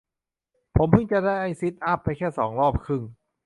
ผมเพิ่งจะได้ซิทอัพไปแค่สองรอบครึ่ง